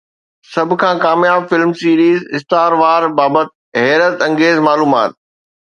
سڀ کان ڪامياب فلم سيريز، اسٽار وار بابت حيرت انگيز معلومات